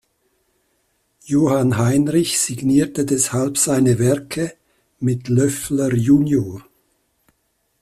Johann Heinrich signierte deshalb seine Werke mit „Löffler junior“.